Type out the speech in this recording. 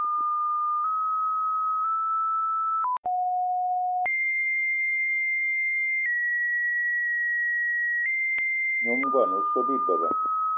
Nyom ngón o so bi beba.